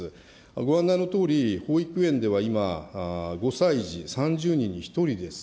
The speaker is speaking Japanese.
ご案内のとおり、保育園では今、５歳児、３０人に１人です。